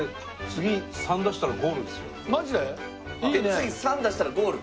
次３出したらゴール？